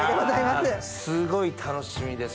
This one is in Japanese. すごい楽しみです。